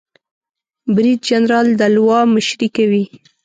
بریدجنرال د لوا مشري کوي